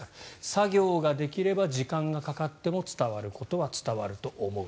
作業ができれば時間がかかっても伝わることは伝わると思う。